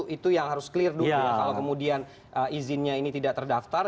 itu yang harus clear dulu kalau kemudian izinnya ini tidak terdaftar